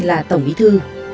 là tổng bí thư